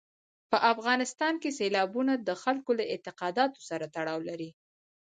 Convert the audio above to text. په افغانستان کې سیلابونه د خلکو له اعتقاداتو سره تړاو لري.